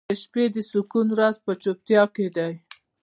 • د شپې د سکون راز په چوپتیا کې دی.